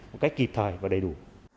một cách kịp thời và đầy đủ